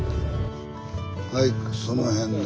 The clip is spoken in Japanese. はいその辺で。